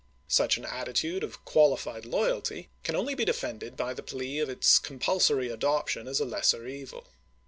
Such an attitude of qualified loyalty can only be defended by the plea of its compulsory adoption as a lesser e\dl.